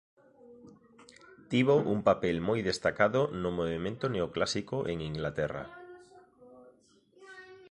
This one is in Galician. Tivo un papel moi destacado no movemento neoclásico en Inglaterra.